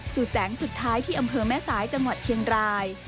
แสงสุดท้ายที่อำเภอแม่สายจังหวัดเชียงราย